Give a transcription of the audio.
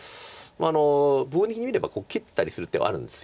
僕的に見れば切ったりする手はあるんです。